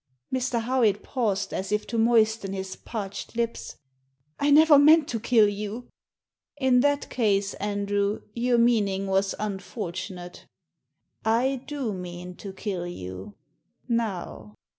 Mr. Howitt paused as if to moisten his parched lips. ^ I never meant to kill you." "In that case, Andrew, your meaning was un fortunate. I do mean to kill you — now."